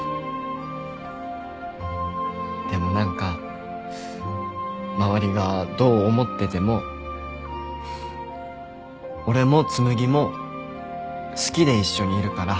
でも何か周りがどう思ってても俺も紬も好きで一緒にいるから。